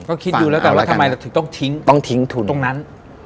ก็คิดอยู่แล้วกันแล้วทำไมถึงต้องทิ้งตรงนั้น